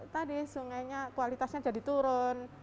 tadi sungainya kualitasnya jadi turun